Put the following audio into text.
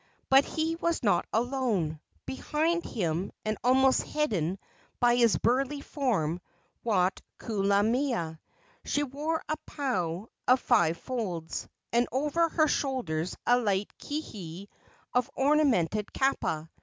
But he was not alone. Behind him, and almost hidden by his burly form, walked Kulamea. She wore a pau of five folds, and over her shoulders a light kihei of ornamented kapa.